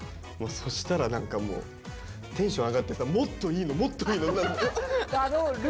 そしたら何かもうテンション上がってさもっといいのもっといいのになるの。